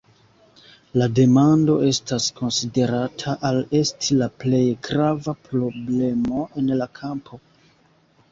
La demando estas konsiderata al esti la plej grava problemo en la kampo.